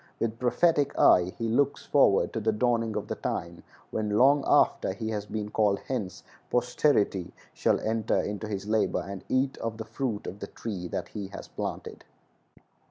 With prophetic eye he looks forward to the dawning of the time when, long after he has been called hence, posterity shall enter into his labor and eat of the fruit of the tree that he has planted.